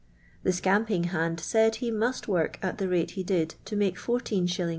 The scamping hand said he must work at the rate he did to make lis.